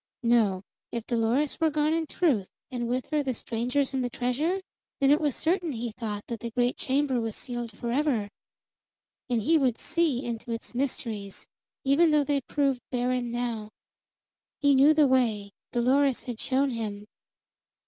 No, if Dolores were gone in truth, and with her the strangers and the treasure, then it was certain, he thought, that the great chamber was sealed forever. And he would see into its mysteries, even though they proved barren now. He knew the way; Dolores had shown him.